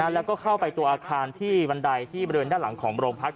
แล้วก็เข้าไปตัวอาคารที่บันไดที่บริเวณด้านหลังของโรงพัก